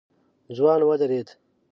ځوان ودرېد.